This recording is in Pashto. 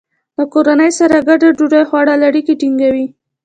د کورنۍ سره ګډه ډوډۍ خوړل اړیکې ټینګوي.